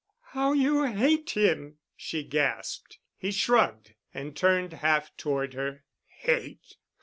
"How you hate him!" she gasped. He shrugged and turned half toward her. "Hate?